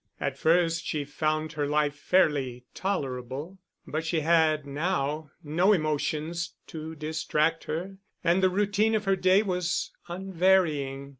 At first she found her life fairly tolerable; but she had now no emotions to distract her and the routine of her day was unvarying.